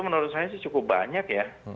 menurut saya sih cukup banyak ya